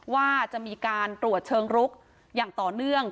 ว่าจะมีการตรวจเชิงรุกอย่างต่อเนื่อง